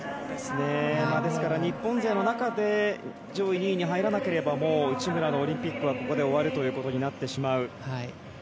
ですから日本勢の中で上位２位に入らなければもう内村のオリンピックはここで終わるということになってしまう。